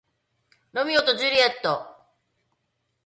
ロミオとジュリエット